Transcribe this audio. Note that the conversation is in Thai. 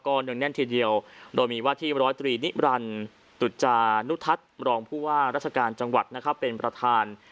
ก็หนึ่งแน่นทีเดียวเรามีวาที๑๐๓นิรันดิ์ตุจานุทัศน์รองผู้ว่ารัชการจังหวัดเป็นประธาน